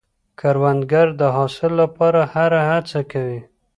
کروندګر د حاصل لپاره هره هڅه کوي